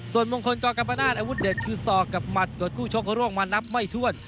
ส่วนมงคลกรกรรมนาศอาวุธเด็ดคือศอกกับหมัดกดคู่ชกร่วงมานับไม่ถ้วน